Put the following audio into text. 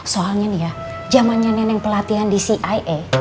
soalnya nih ya jamannya nenek pelatihan di cia